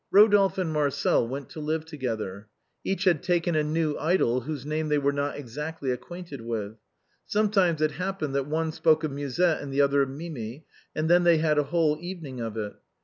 Kodolphe and Marcel went to live together; each had taken a new idol whose name they were not exactly ac quainted with. Sometimes it happened that one spoke of Musette and the other of Mimi, and then they had a whole evening of it.